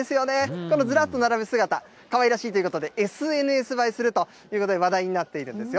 このずらっと並ぶ姿、かわいらしいということで、ＳＮＳ映えするということで話題になっているんですよ。